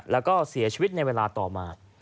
แล้วก็เสียชีวิตในเวลาต่อมา